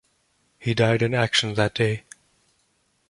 He died in action that day.